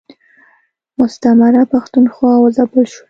مستعمره پښتونخوا و ځپل شوه.